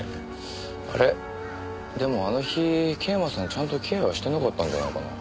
あれでもあの日桂馬さんちゃんとケアしてなかったんじゃないかな。